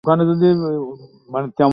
যে কারণে এ স্থানটির ঐতিহাসিক গুরুত্ব অনেক।